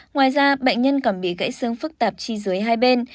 ngoài ra bệnh nhân còn bị gãy xương phức tạp chi dưới hai bên